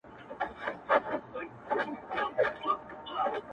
د ښکلا د دُنیا موري؛ د شرابو د خُم لوري؛